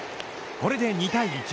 これで２対１。